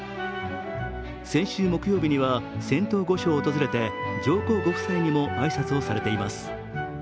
先週木曜日には仙洞御所を訪れて上皇ご夫妻にも挨拶をされています。